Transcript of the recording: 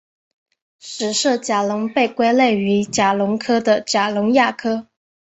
史色甲龙被归类于甲龙科的甲龙亚科。